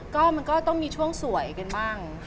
ก็มันก็ต้องมีช่วงสวยกันบ้าง